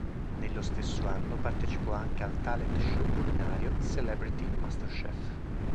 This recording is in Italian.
Nello stesso anno partecipò anche al talent show culinario "Celebrity Masterchef".